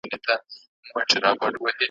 نه روپۍ به له جېبو څخه ورکیږي ,